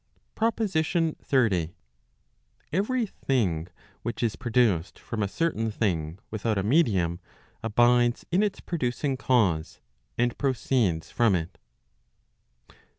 PROPOSITION XXX, Every thing which is produced from a certain thing without a medium,, abides in its producing cause, and proceeds from it.